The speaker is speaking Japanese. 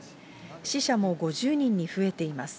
死者も５０人に増えています。